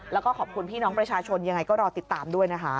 แล้วก็ขอบคุณพี่น้องประชาชนยังไงก็รอติดตามด้วยนะคะ